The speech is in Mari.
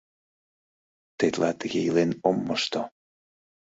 Тетла тыге илен ом мошто...